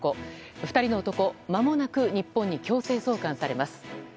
２人の男、まもなく日本に強制送還されます。